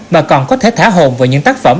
mà còn có thể thả hồn vào những tác phẩm